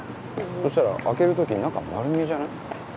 そしたら開ける時中丸見えじゃない？